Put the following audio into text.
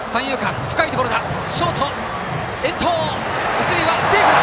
一塁はセーフだ！